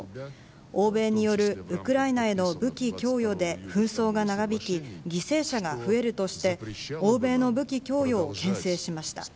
欧米によるウクライナへの武器供与で紛争が長引き、犠牲者が増えるとして、欧米の武器供与をけん制しました。